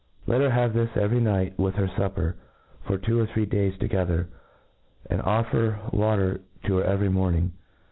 Let her have this every night with her fupper, for two or three days together, and offer water to her c very morning.